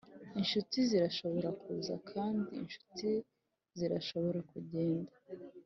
inshuti zirashobora kuza, kandi inshuti zirashobora kugenda.